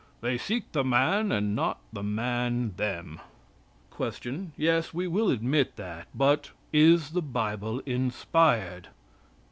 They seek the man and not the man them." Q. Yes, we will admit that, but is the Bible inspired?